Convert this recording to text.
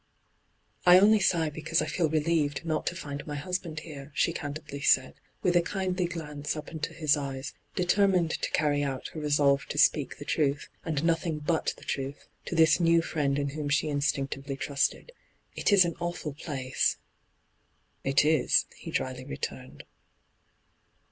' I only sigh because I feel relieved not to find my husband here,' she candidly said, with a kindly glance up into his eyes, deter mined to carry out her resolve to speak the truth, and nothing but the truth, to this new friend in whom she instinctively trusted. ' It is an awful place 1' ' It is,' he dryly returned.